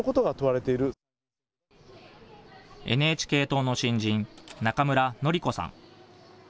ＮＨＫ党の新人、中村典子さん。